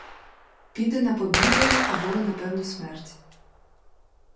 Піде на побіду або на певну смерть.